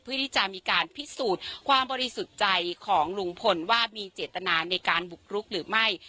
เพื่อที่จะมีการพิสูจน์ความบริสุทธิ์ใจของลุงพลว่ามีเจตนาในการบุกรุกหรือไม่